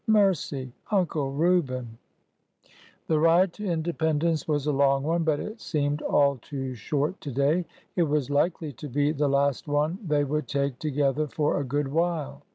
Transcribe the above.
Mercy !.,. Uncle Reuben !'' The ride to Independence was a long one, but it seemed all too short to day. It was likely to be the last one they would take together for a good while.